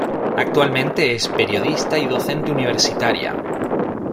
Actualmente es periodista y docente universitaria.